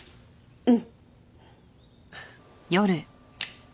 うん。